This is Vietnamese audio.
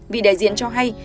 vị đại diện cho hay